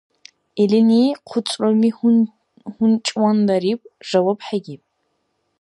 Илини хъуцӀруми гъунчӀвандариб, жаваб хӀегиб.